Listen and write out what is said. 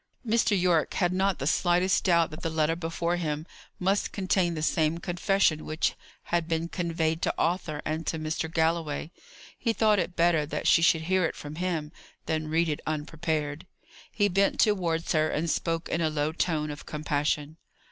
Mr. Yorke had not the slightest doubt that the letter before him must contain the same confession which had been conveyed to Arthur and to Mr. Galloway. He thought it better that she should hear it from him, than read it unprepared. He bent towards her, and spoke in a low tone of compassion.